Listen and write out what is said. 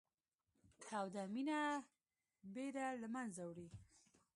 توده مینه بېره له منځه وړي